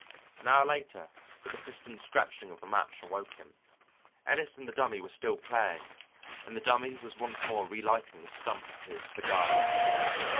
An hour later the persistent scratching of a match awoke him. Ellis and the Dummy were still playing, and the Dummy was once more relighting the stump of his cigar.